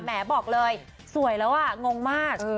แหมบอกเลยสวยแล้วงงมาก